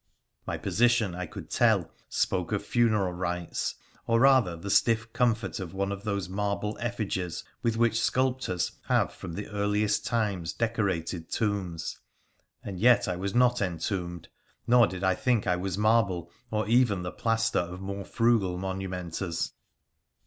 My position, I could tell, spoke of funeral rites, or rather the stiff comfort of one of those marble effigies with which sculptors have from the earliest times decorated tombs. And yet I was not entombed, nor did I think I was marble, or even the plaster of more frugal monu menters.